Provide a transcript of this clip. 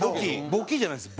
簿記じゃないです。